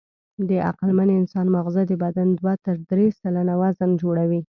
د عقلمن انسان ماغزه د بدن دوه تر درې سلنه وزن جوړوي.